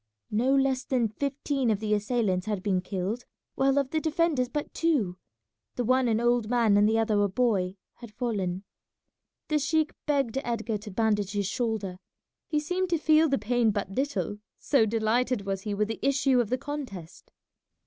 No less than fifteen of the assailants had been killed, while of the defenders but two, the one an old man and the other a boy, had fallen. The sheik begged Edgar to bandage his shoulder; he seemed to feel the pain but little, so delighted was he with the issue of the contest.